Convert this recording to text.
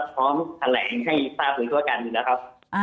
พร้อมแสดงให้ซ่าคลุปุกราการอยู่แล้วครับ